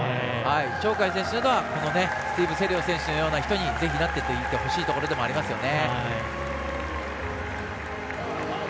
鳥海選手がスティーブ・セリオ選手のようにぜひなっていってほしいところではありますよね。